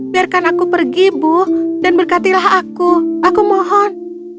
biarkan aku pergi bu dan berkatilah aku aku mohon